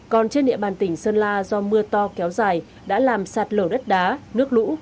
còn trên địa bàn tỉnh sơn la do mưa to kéo dài đã làm sạt lở đất đá nước lũ